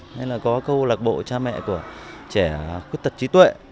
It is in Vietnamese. nên là có câu lạc bộ cha mẹ của trẻ khuyết tật trí tuệ